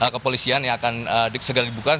kepolisian yang akan segera dibuka